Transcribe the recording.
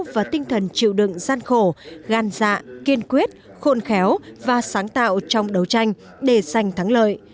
và tinh thần chịu đựng gian khổ gan dạ kiên quyết khôn khéo và sáng tạo trong đấu tranh để giành thắng lợi